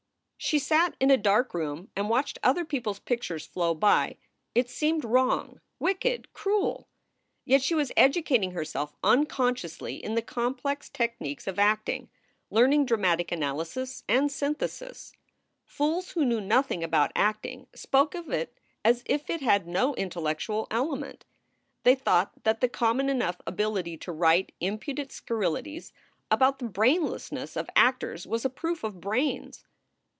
She sat in a dark room and watched other people s pic tures flow by. It seemed wrong, wicked, cruel. Yet she was educating herself unconsciously in the com plex technics of acting, learning dramatic analysis and synthesis. Fools who knew nothing about acting spoke of it as if it had no intellectual element. They thought that the common enough ability to write impudent scurrilities about the brainlessness of actors was a proof of brains.